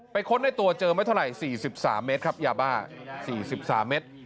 ค้นในตัวเจอไม่เท่าไหร่๔๓เมตรครับยาบ้า๔๓เมตร